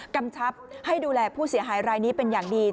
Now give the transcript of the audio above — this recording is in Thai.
กำชับให้ดูแลผู้เสียหายรายนี้เป็นอย่างดี